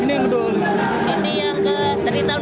ini yang dari tahun dua ribu